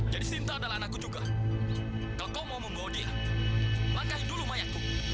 jadi sinta adalah anakku juga kalau kau mau membawa dia langkahi dulu mayatku